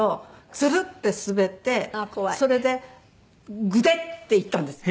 ツルッて滑ってそれでグデッていったんですよ。